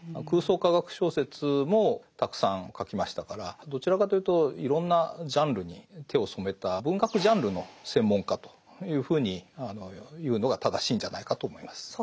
空想科学小説もたくさん書きましたからどちらかというといろんなジャンルに手を染めた文学ジャンルの専門家というふうに言うのが正しいんじゃないかと思います。